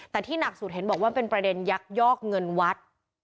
แต่ที่หนักสุดเห็นบอกว่าเป็นประเด็นยักยอกเงินวัด